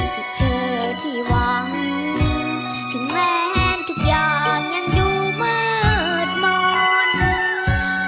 จากเธอที่หวังถึงแม้ทุกอย่างยังดูมืดมนต์